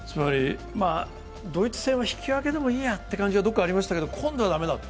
ドイツ戦は引き分けでもいいやという感じが少しありましたけど、今度は駄目だと？